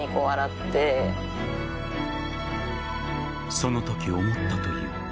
そのとき、思ったという。